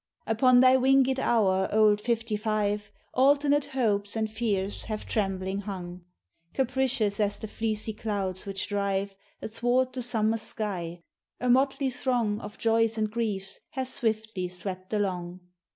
Upon thy wingèd hours, old Fifty five, Alternate hopes and fears have trembling hung, Capricious as the fleecy clouds which drive Athwart the summer sky, a motley throng Of joys and griefs, have swiftly swept along.